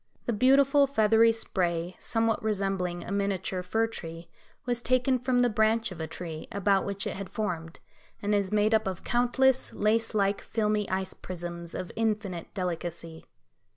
The beautiful feathery spray, somewhat resembling a miniature fir tree, was taken from the branch of a tree, about which it had formed, and is made up of countless, lace like, filmy ice prisms, of infinite delicacy.